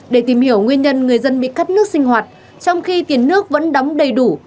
để tìm hiểu nguyên nhân người dân bị cắt nước sinh hoạt trong khi tiền nước vẫn đóng đầy đủ